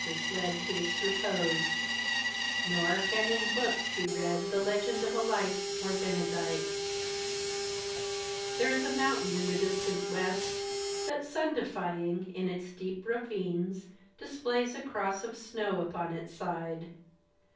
was led To its repose; nor can in books be read The legend of a life more benedight. There is a mountain in the distant West That, sun defying, in its deep ravines Displays a cross of snow upon its side.